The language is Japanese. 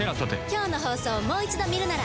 今日の放送をもう一度見るなら。